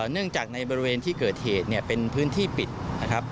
เนื่องจากในบริเวณที่เกิดเหตุเนี่ยเป็นพื้นที่ปิดนะครับ